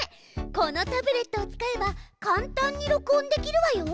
このタブレットを使えば簡単に録音できるわよ。